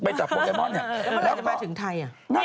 นักอาทิตย์นี้๖๗นิดหนึ่งหรือเปล่าเธอ